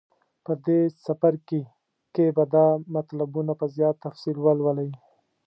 په دې څپرکي کې به دا مطلبونه په زیات تفصیل ولولئ.